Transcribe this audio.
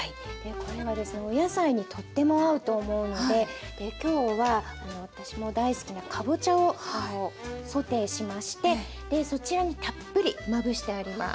これはですねお野菜にとっても合うと思うので今日は私も大好きなかぼちゃをソテーしましてそちらにたっぷりまぶしてあります。